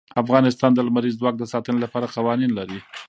افغانستان د لمریز ځواک د ساتنې لپاره قوانین لري.